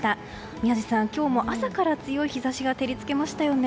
宮司さん、今日も朝から強い日差しが照り付けましたね。